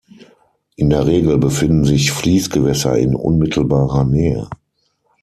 In der Regel befinden sich Fließgewässer in unmittelbarer Nähe.